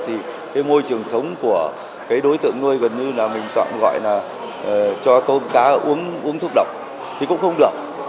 thì cái môi trường sống của cái đối tượng nuôi gần như là mình tọa gọi là cho tôm cá uống thuốc độc thì cũng không được